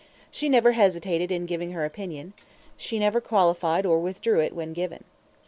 She never hesitated in giving her opinion; she never qualified or withdrew it when given.